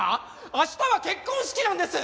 明日は結婚式なんです！